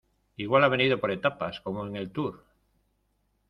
igual ha venido por etapas, como en el tour.